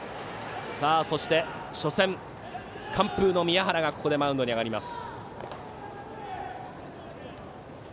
そして初戦、完封の宮原がここでマウンドに上がります。